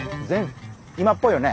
今っぽいよね。